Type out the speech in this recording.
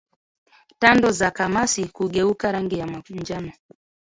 Tando za kamasi kugeuka rangi ya manjano